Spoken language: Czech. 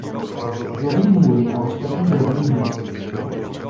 Loví můry a ostatní drobný hmyz.